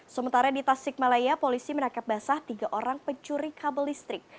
sementara di tasikmalaya polisi menangkap basah tiga orang pencuri kabel listrik